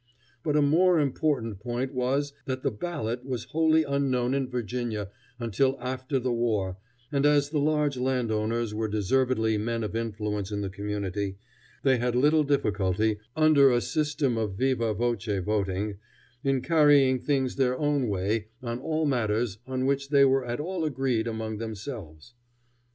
But a more important point was that the ballot was wholly unknown in Virginia until after the war, and as the large landowners were deservedly men of influence in the community, they had little difficulty, under a system of viva voce voting, in carrying things their own way on all matters on which they were at all agreed among themselves.